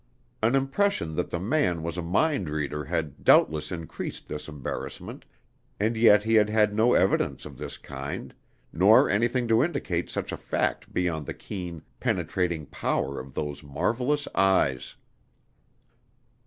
An impression that the man was a mind reader had doubtless increased this embarrassment, and yet he had had no evidence of this kind, nor anything to indicate such a fact beyond the keen, penetrating power of those marvelous eyes.